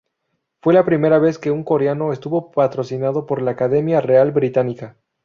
Fue la primera vez que un coreano estuvo patrocinado por la Academia Real Británica.